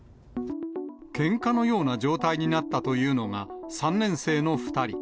けんかのような状態になったというのが、３年生の２人。